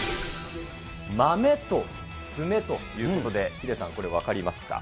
マメと爪ということで、ヒデさん、これ、分かりますか。